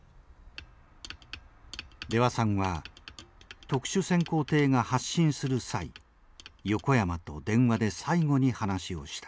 出羽さんは特殊潜航艇が発進する際横山と電話で最後に話をした。